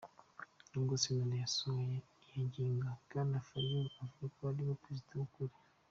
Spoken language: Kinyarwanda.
Nubwo sentare yasohoye iyo ngingo, Bwana Fayulu avuga ko ariwe perezida "w'ukuri".